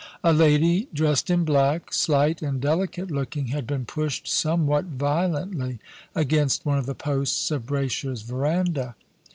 A lady dressed in black, slight and delicate looking, had been pushed somewhat violently against one of the posts of Braysher's verandah.